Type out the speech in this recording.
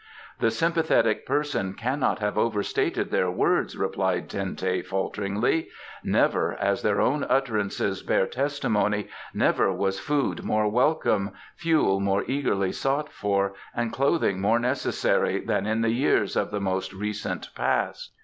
"The sympathetic person cannot have overstated their words," replied Ten teh falteringly. "Never, as their own utterances bear testimony, never was food more welcome, fuel more eagerly sought for, and clothing more necessary than in the years of the most recent past."